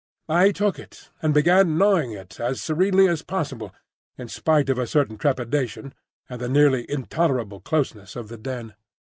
I took it, and began gnawing it, as serenely as possible, in spite of a certain trepidation and the nearly intolerable closeness of the den.